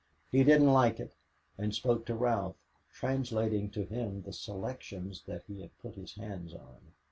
He didn't like it and spoke to Ralph, translating to him the selections that he had put his hands on.